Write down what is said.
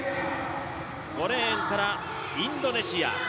５レーンからインドネシア。